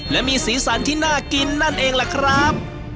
และมีสีสันที่น่ากินนั่นเองล่ะครับ